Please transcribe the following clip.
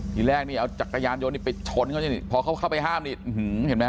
ทีแรกนี่เอาจักรยานยนต์นี่ไปชนเขานี่พอเขาเข้าไปห้ามนี่เห็นไหมฮ